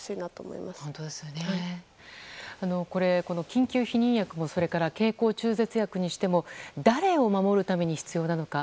緊急避妊薬もそれから経口中絶薬にしても誰を守るために必要なのか。